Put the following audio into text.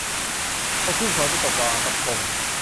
เอากุ้งฝอยไปตกปลากะพง